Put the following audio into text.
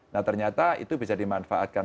nah ternyata itu bisa dimanfaatkan